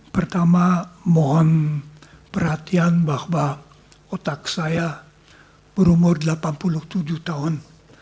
pertama mohon perhatian bahwa otak saya berumur delapan puluh tujuh tahun